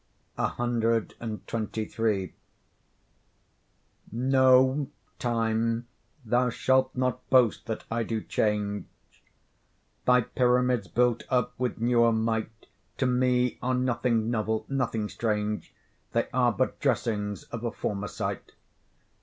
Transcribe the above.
CXXIII No, Time, thou shalt not boast that I do change: Thy pyramids built up with newer might To me are nothing novel, nothing strange; They are but dressings of a former sight.